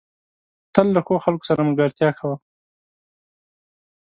تل له ښو خلکو سره ملګرتيا کوه.